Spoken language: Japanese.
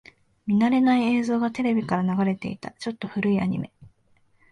見慣れない映像がテレビから流れていた。ちょっと古いアニメ。